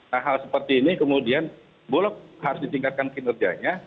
nah hal seperti ini kemudian bulog harus ditingkatkan kinerjanya